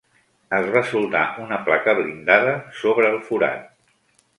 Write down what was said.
Es va soldar una placa blindada sobre el forat.